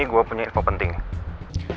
sekarang gue ada di depan lapas jati kota ini